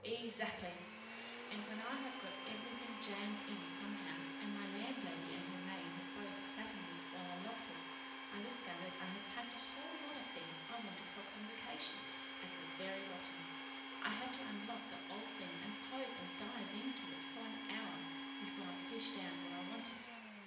"E zackly. And when I had got everything jammed in somehow, and my landlady and her maid had both sat on it while I locked it, I discovered I had packed a whole lot of things I wanted for Convocation at the very bottom. I had to unlock the old thing and poke and dive into it for an hour before I fished out what I wanted.